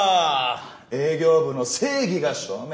営業部の正義が証明されて。